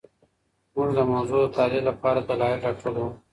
موږ د موضوع د تحلیل لپاره دلایل راټولوو.